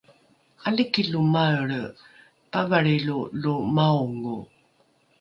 ’aliki lo maelre pavalrilo lo maongo